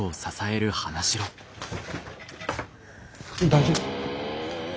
大丈夫？